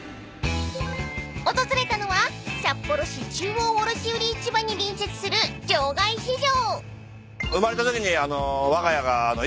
［訪れたのは札幌市中央卸売市場に隣接する場外市場］